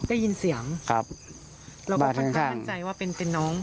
ได้ยินเสียงครับบ้านข้างแล้วก็ค่อยค่อยมั่นใจว่าเป็นน้อง